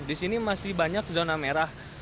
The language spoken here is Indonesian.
di sini masih banyak zona merah